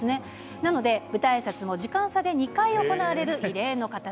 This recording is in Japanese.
なので、舞台あいさつも時間差で２回行われる異例の形。